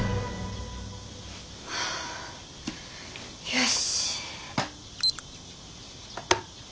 よし。